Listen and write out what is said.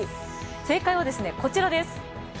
正解はこちらです。